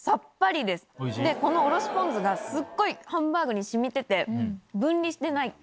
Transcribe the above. このおろしポン酢がすっごいハンバーグに染みてて分離してない。